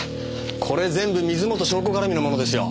これ全部水元湘子がらみのものですよ。